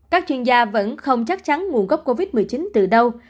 các chuyên gia vẫn không chắc chắn nguồn gốc covid một mươi chín từ đâu